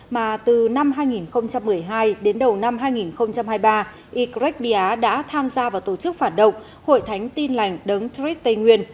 mà từ năm hai nghìn một mươi hai đến đầu năm hai nghìn hai mươi ba ycret bia đã tham gia vào tổ chức phản động hội thánh tin lành đấng trích tây nguyên